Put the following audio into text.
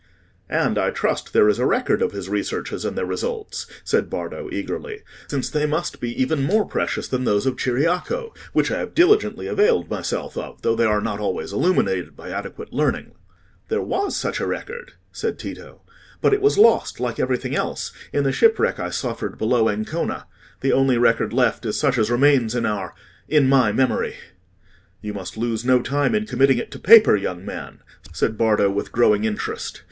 "And I trust there is a record of his researches and their results," said Bardo, eagerly, "since they must be even more precious than those of Ciriaco, which I have diligently availed myself of, though they are not always illuminated by adequate learning." "There was such a record," said Tito, "but it was lost, like everything else, in the shipwreck I suffered below Ancona. The only record left is such as remains in our—in my memory." "You must lose no time in committing it to paper, young man," said Bardo, with growing interest.